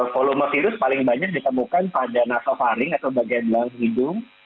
volume virus paling banyak ditemukan pada natofaring atau bagian dalam hidung